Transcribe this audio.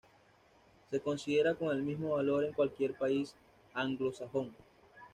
Se considera con el mismo valor en cualquier país anglosajón.